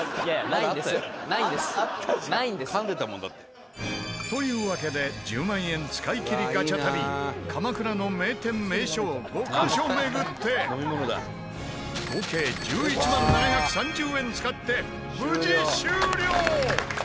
かんでたもんだって。というわけで１０万円使い切りガチャ旅合計１１万７３０円使って無事終了！